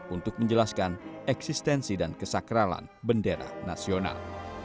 untuk menjelaskan eksistensi dan kesakralan bendera nasional